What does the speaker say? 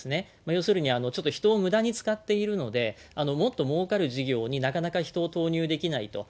要するにちょっと人をむだに使っているので、もっともうかる事業になかなか人を投入できないと。